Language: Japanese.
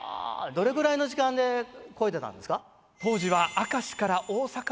どれぐらいの時間で漕いでたんですか？